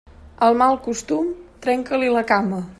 Al mal costum, trenca-li la cama.